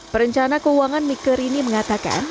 perencana keuangan miker rini mengatakan